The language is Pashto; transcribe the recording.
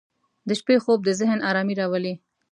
• د شپې خوب د ذهن آرامي راولي.